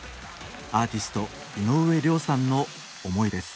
アーティスト井上涼さんの思いです。